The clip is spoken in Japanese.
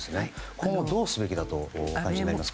今後どうすべきだとお感じになりますか。